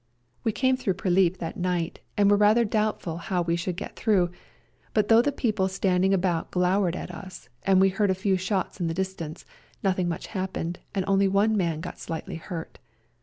We came through Prilip that night, and were rather doubtful how we shoiild get through, but though the people standing about glowered at us, and we heard a few shots in the distance, nothing much happened, and only one man got slightly hurt.